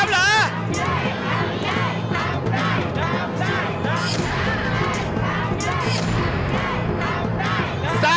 ๓เหรอ